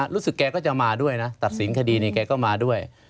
แกก็จะมาด้วยนะตัดสินคดีนี้แกก็มาด้วย